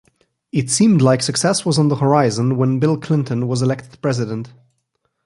It seemed like success was on the horizon when Bill Clinton was elected president.